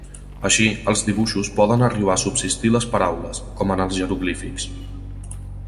Així, els dibuixos poden arribar a substituir les paraules, com en els jeroglífics.